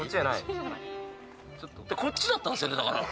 こっちだったんすよねだから。